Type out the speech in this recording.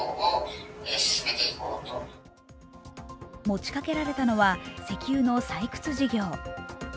持ちかけられたのは石油の採掘事業。